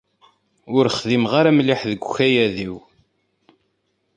Ur xdimeɣ ara mliḥ deg ukayad-iw.